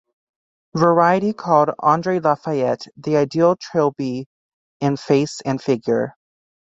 Variety called Andree Lafayette "the ideal Trilby in face and figure".